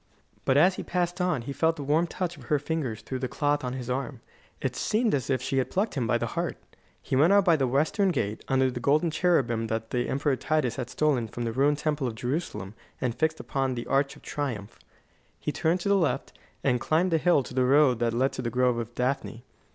But as he passed on, he felt the warm touch of her fingers through the cloth on his arm. It seemed as if she had plucked him by the heart. He went out by the Western Gate, under the golden cherubim that the Emperor Titus had stolen from the ruined Temple of Jerusalem and fixed upon the arch of triumph. He turned to the left, and climbed the hill to the road that led to the Grove of Daphne.